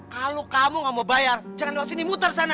kalau kamu nggak mau bayar jangan lewat sini muter sana